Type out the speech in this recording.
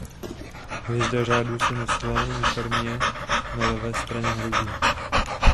Hvězda řádu se nosila na uniformě na levé straně hrudi.